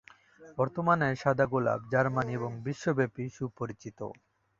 বর্তমানে, সাদা গোলাপ জার্মানি এবং বিশ্বব্যাপী সুপরিচিত।